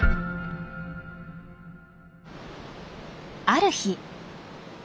ある日。